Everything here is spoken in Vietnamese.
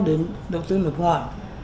đến đầu tư nước ngoài